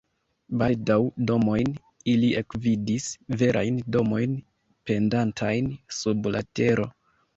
Baldaŭ domojn ili ekvidis, verajn domojn pendantajn sub la tero.